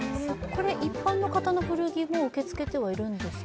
これ、一般の方の古着も受け付けてはいるんですか？